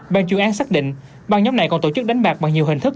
bàn chuyên án xác định băng nhóm này còn tổ chức đánh bạc bằng nhiều hình thức